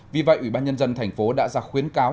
vì vậy ủy ban nhân dân thành phố đã ra khuyến cáo